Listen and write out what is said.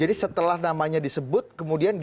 jadi setelah namanya disebut kemudian di